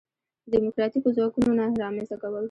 دیموکراتیکو ځواکونو نه رامنځته کول.